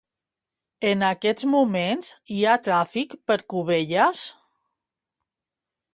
En aquests moments hi ha tràfic per Cubelles?